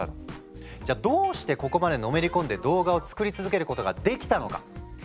じゃあどうしてここまでのめり込んで動画を作り続けることができたのか？